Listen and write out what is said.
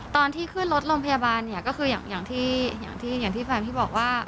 ตอนที่ขึ้นรถโรงพยาบาลก็คืออย่างที่แฟมที่บอกว่า